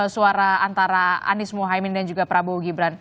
suara antara anies mohaimin dan juga prabowo gibran